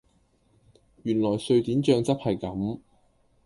原來瑞典醬汁係咁